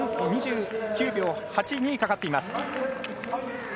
２９秒８にかかっています。